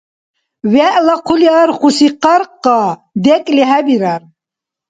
ВегӀла хъули архуси къаркъа декӀли хӀебирар.